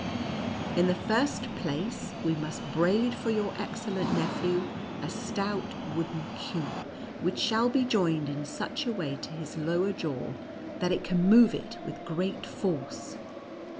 In the first place, we must braid for your excellent nephew a stout wooden queue, which shall be joined in such a way to his lower jaw, that it can move it with great force.